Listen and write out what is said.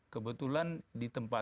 kebetulan di tempat